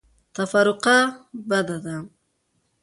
تفرقه بده ده.